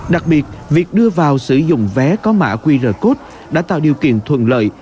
đặc biệt việc đưa vào sử dụng vé có mã qr code đã tạo điều kiện thuận lợi